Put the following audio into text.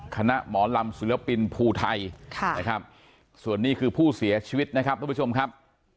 คณะหมอลำศิลปินภูไทยนะครับส่วนนี้คือผู้เสียชีวิตนะครับทุกผู้ชมครับ